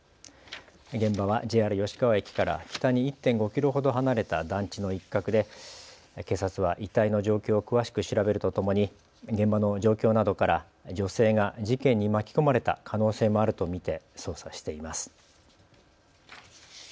現場はＪＲ吉川駅から北に１．５キロほど離れた団地の一角で警察は遺体の状況を詳しく調べるとともに現場の状況などから女性が事件に巻き込まれた可能性もあると見て捜査しています。